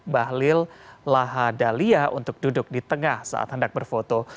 bahlil lahadalia untuk duduk di tengah saat hendak berfoto